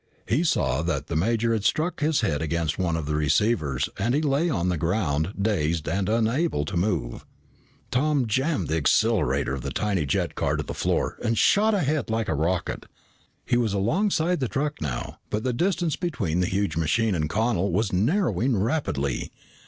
He saw that the major had struck his head against one of the receivers and he lay on the ground, dazed and unable to move. Tom jammed the accelerator of the tiny jet car to the floor and shot ahead like a rocket. He was alongside the truck now, but the distance between the huge machine and Connel was narrowing rapidly.